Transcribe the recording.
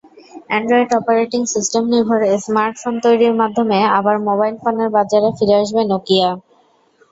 Android operating সিস্টেমনির্ভর smartphone তৈরির মাধ্যমে আবার মোবাইল ফোনের বাজারে ফিরে আসবে নকিয়া।